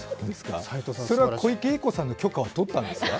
それは小池栄子さんの許可は取ったんですか？